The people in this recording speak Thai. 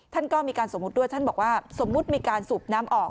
ท่านก็มีการสมมุติด้วยท่านบอกว่าสมมุติมีการสูบน้ำออก